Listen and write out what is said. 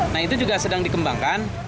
nah itu juga sedang dikembangkan